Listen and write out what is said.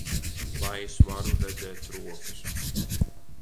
Lai es varu redzēt rokas!